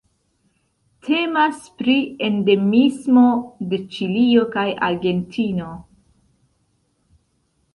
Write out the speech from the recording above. Temas pri endemismo de Ĉilio kaj Argentino.